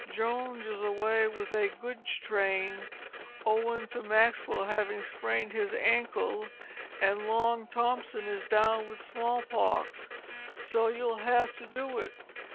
Jones is away with a goods train owin' to Maxwell having sprained his ankle, and Long Thompson is down with small pox, so you'll have to do it.